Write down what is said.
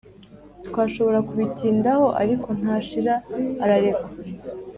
Twashobora kubitindaho, ariko ntashira ararekwa,